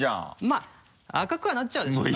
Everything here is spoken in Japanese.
まぁ赤くはなっちゃうんですよ。